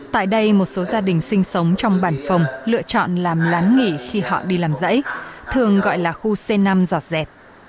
tại đây một số gia đình sinh sống trong bản phòng lựa chọn làm lán nghỉ khi họ đi làm dãy thường gọi là khu c năm giọt